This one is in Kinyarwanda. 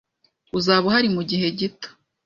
Uzaba uhari mugihe gito.